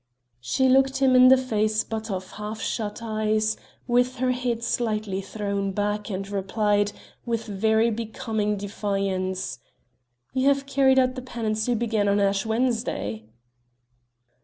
She looked him in the face but of half shut eyes, with her head slightly thrown back, and replied, with very becoming defiance: "You have carried out the penance you began on Ash Wednesday!"